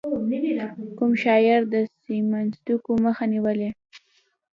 کوم شاعر د ساینسپوهانو مخه نېولې ده.